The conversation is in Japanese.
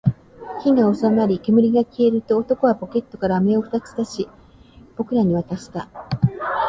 火が収まり、煙が消えると、男はポケットから飴を二つ取り出し、僕らに渡した